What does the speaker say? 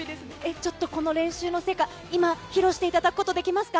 ちょっと、この練習の成果、今、披露していただくことできますか？